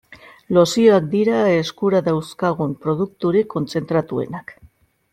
Lozioak dira eskura dauzkagun produkturik kontzentratuenak.